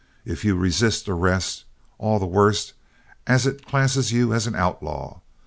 If you resist arrest, all the worse, as it classes you an outlaw.